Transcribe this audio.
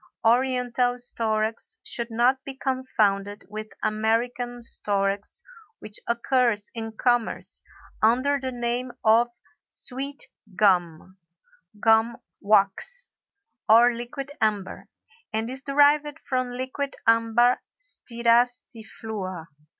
Oriental storax should not be confounded with American storax which occurs in commerce under the name of Sweet Gum, Gum Wax, or Liquidamber, and is derived from Liquidambar styraciflua.